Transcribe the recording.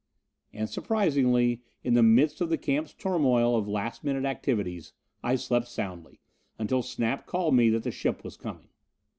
And surprisingly, in the midst of the camp's turmoil of last minute activities, I slept soundly, until Snap called me that the ship was coming.